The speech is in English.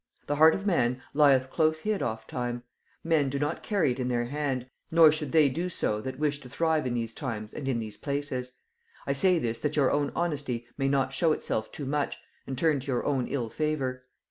The heart of man lieth close hid oft time, men do not carry it in their hand, nor should they do so that wish to thrive in these times and in these places; I say this that your own honesty may not show itself too much, and turn to your own ill favor.